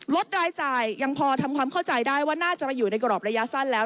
ลดรายจ่ายยังพอทำความเข้าใจได้ว่าน่าจะมาอยู่ในกรอบระยะสั้นแล้ว